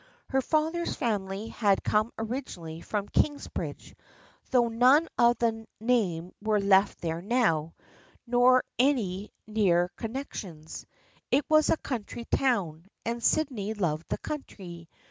Her father's family had come originally from Kingsbridge, though none of the name were left there now, nor any near con nections. It was a county town, and Sydney loved the country.